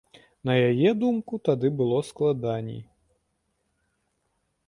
На яе думку, тады было складаней.